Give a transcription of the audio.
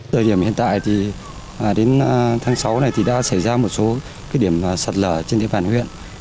thời điểm hiện tại thì đến tháng sáu này thì đã xảy ra một số điểm sạt lở trên địa bàn huyện